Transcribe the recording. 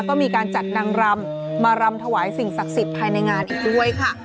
ก็มีการจัดนางรำมารำถวายสิ่งศักดิ์สิทธิ์ภายในงานอีกด้วยค่ะ